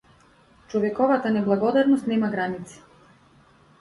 Човековата неблагодарност нема граници.